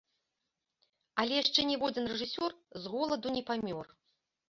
Але яшчэ ніводзін рэжысёр з голаду не памёр!